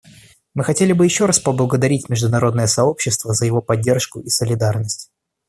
Мы хотели бы еще раз поблагодарить международное сообщество за его поддержку и солидарность.